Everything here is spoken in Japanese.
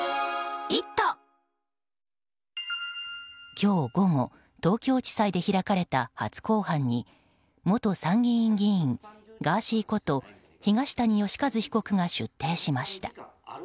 今日午後、東京地裁で開かれた初公判に元参議院議員、ガーシーこと東谷義和被告が出廷しました。